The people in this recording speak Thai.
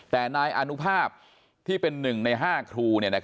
แต่นายอนุภาพที่เป็น๑ใน๕ครู